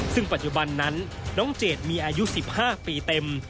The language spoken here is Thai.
ซึ่งปัจจุบันนั้นน้องเจดมีอายุ๑๕ปีเต็ม